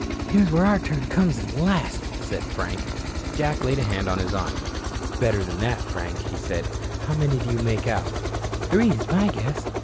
"Here's where our turn comes at last," said Frank. Jack laid a hand on his arm. "Better than that, Frank," he said. "How many do you make out?" "Three is my guess."